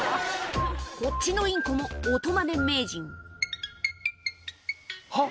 こっちのインコも音マネ名人